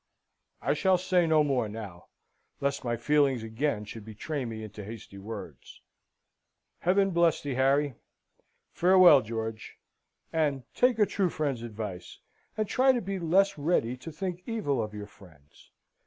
I shall say no more now, lest my feelings again should betray me into hasty words. Heaven bless thee, Harry! Farewell, George! And take a true friend's advice, and try and be less ready to think evil of your friends.